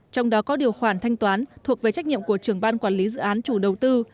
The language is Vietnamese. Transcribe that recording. trong đó có điều khoản thanh toán thuộc về trách nhiệm của trưởng ban quản lý dự án chủ đầu tư